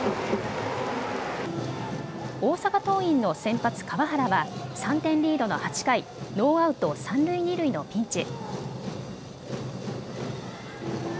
大阪桐蔭の先発、川原は３点リードの８回、ノーアウト三塁二塁のピンチ。